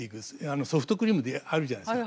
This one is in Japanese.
ソフトクリームであるじゃないですか。